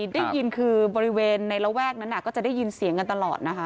ได้ยินคือบริเวณในระแวกนั้นก็จะได้ยินเสียงกันตลอดนะคะ